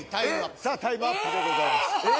さあタイムアップでございます